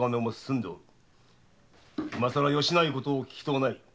今さら由ないことを聞きとうない。